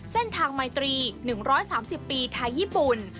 เส้นทางไมตรี๑๓๐ปีไทยญี่ปุ่น